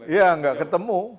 ya nggak ketemu